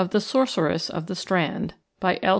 The Sorceress of the Strand. BY L.